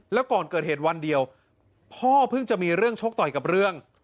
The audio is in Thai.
แล้วก่อนเกิดเหตุวันเดียวพ่อเพิ่งจะมีเรื่องชกต่อยกับเรื่อง